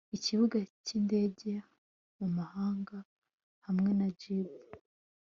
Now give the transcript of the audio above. ikibuga cyindege mumahanga hamwe na jip